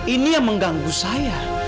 ini yang mengganggu saya